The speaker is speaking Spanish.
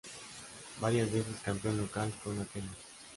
Varias veces campeón local con Atenas.